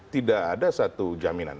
tidak ada satu jaminan